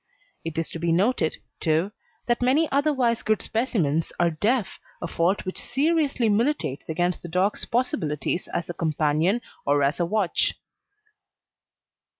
It is to be noted, too, that many otherwise good specimens are deaf a fault which seriously militates against the dog's possibilities as a companion or as a watch.